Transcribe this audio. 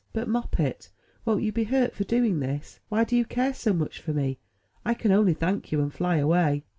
But, Moppet, wont you be hurt for doing this? Why do you care so much for me? I can only thank you, and fly away."